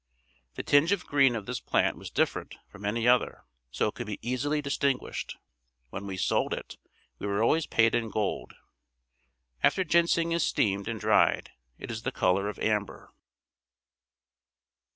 The tinge of green of this plant was different from any other so could be easily distinguished. When we sold it, we were always paid in gold. After ginseng is steamed and dried, it is the color of amber.